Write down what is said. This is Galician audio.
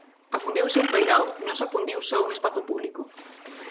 Afundiuse un peirao, non se afundiu só un espazo público.